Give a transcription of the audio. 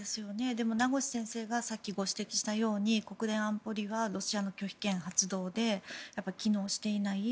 名越先生がさっきご指摘したように国連安保理がロシアの拒否権発動で機能していない。